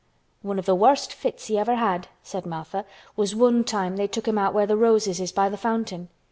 "One of th' worst fits he ever had," said Martha, "was one time they took him out where the roses is by the fountain.